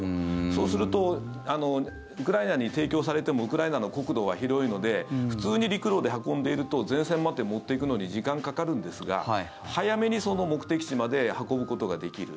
そうするとウクライナに提供されてもウクライナの国土は広いので普通に陸路で運んでいると前線まで持っていくのに時間がかかるんですが早めにその目的地まで運ぶことができる。